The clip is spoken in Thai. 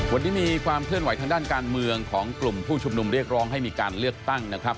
วันนี้มีความเคลื่อนไหวทางด้านการเมืองของกลุ่มผู้ชุมนุมเรียกร้องให้มีการเลือกตั้งนะครับ